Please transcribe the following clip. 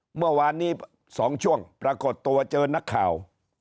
เมื่อวานนี้๒ช่วงปรากฏตัวเจอนักข่าว